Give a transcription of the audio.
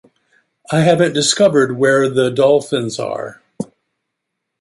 I haven't discovered where the dolphins are.